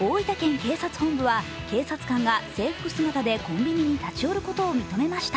警察本部は警察官が制服姿でコンビニに立ち寄ることを認めました。